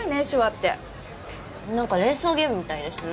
なんか連想ゲームみたいですね。